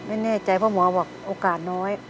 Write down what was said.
ไม่แน่ใจเพราะหมอบอกโอกาสน้อย